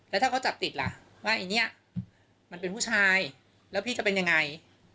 แล้วถ้าเขาจับติดล่ะว่าไอ้เนี่ยมันเป็นผู้ชายแล้วพี่จะเป็นยังไง